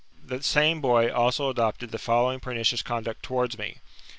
The same boy also adopted the following pernicious conduct towards me.